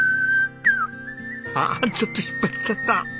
あっちょっと失敗しちゃった。